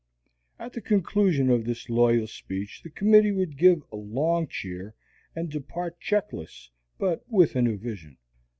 At the conclusion of this loyal speech the committee would give a long cheer and depart checkless but with a new vision.